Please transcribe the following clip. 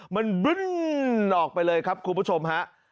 มันบึ้นออกไปเลยครับคุณผู้ชมฮะ